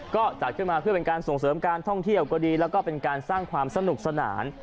ก็จัดขึ้นมาเพื่อเป็นการส่งเสริมการท่องเที่ยวก็ดีแล้วก็เป็นการสร้างความสนุกสนาน